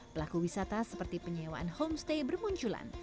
pelaku wisata seperti penyewaan homestay bermunculan